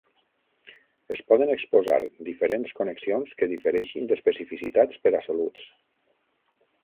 Es poden exposar diferents connexions que difereixin d'especificitats per a soluts.